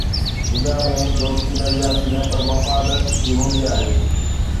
دنيا ۾ دوستي نظرياتي نه پر مفاد جي هوندي آهي.